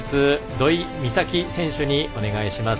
土居美咲選手にお願いします。